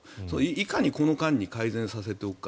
いかにこの間に改善させておくか。